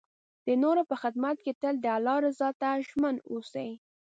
د نور په خدمت کې تل د الله رضا ته ژمن اوسئ.